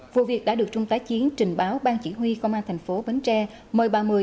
vụ việc đã được trung tá chiến trình báo bang chỉ huy công an tp bến tre mời bà mười